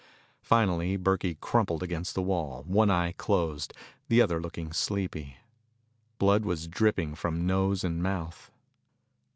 Finally, Burkey crumpled against the wall, one eye closed, the other looking sleepy. Blood was dripping from nose and mouth.